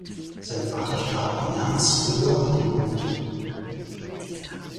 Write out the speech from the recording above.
Sein Vater starb in Ernsts früher Jugend.